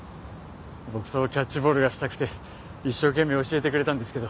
僕とキャッチボールがしたくて一生懸命教えてくれたんですけど